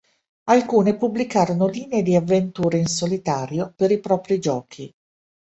Alcune pubblicarono linee di avventure in solitario per i propri giochi.